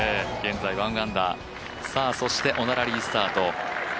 現在１アンダー、そしてオナラリースタート。